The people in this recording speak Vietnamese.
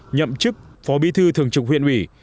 nhậm chức phó bí thư thường trực huyện ủy